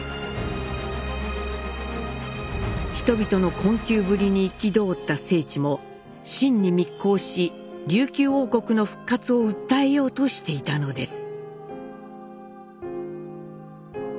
人々の困窮ぶりに憤った正知も清に密航し琉球王国の復活を訴えようとしていたのです。